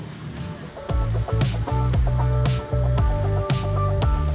dari jogja utara kita berkeser ke pusat kota yogyakarta tepatnya di kawasan kota baru